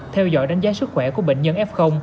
theo dõi đánh giá sức khỏe của bệnh nhân f